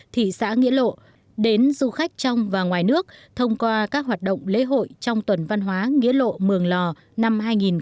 thị xã nghĩa lộ đến du khách trong và ngoài nước thông qua các hoạt động lễ hội trong tuần văn hóa nghĩa lộ mường lò năm hai nghìn hai mươi